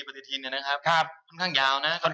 ก็ต้องหนีพิธานนิดนึง